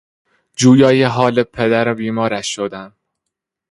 جویای حال پدر بیمارش شدم.